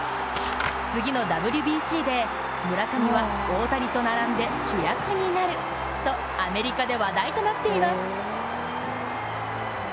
次のＷＢＣで、村上は大谷と並んで主役になるとアメリカで話題となっています。